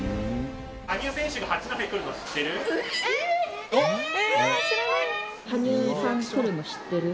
羽生選手が八戸来るの知ってる？